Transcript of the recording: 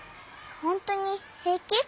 ほんとにへいき？